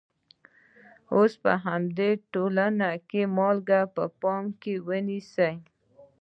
اوس په همدې ټولنه کې مالګه په پام کې ونیسئ.